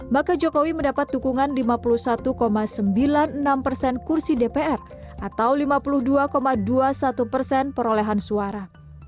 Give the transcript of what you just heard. maka jokowi mendapat dukungan lima puluh satu sembilan puluh enam persen kursi dpr atau lima puluh dua dua puluh satu persen perolehan suara